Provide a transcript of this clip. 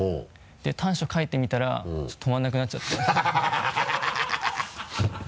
で短所書いてみたらちょっと止まらなくなっちゃってハハハ